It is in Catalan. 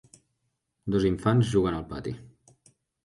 Dos infants juguen al pati.